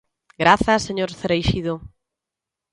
Grazas, señor Cereixido.